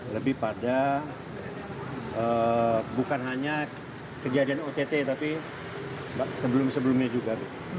lebih pada bukan hanya kejadian ott tapi sebelum sebelumnya juga